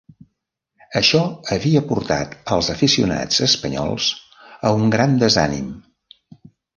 Això havia portat els aficionats espanyols a un gran desànim.